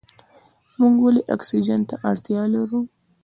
موږ ولې اکسیجن ته اړتیا لرو؟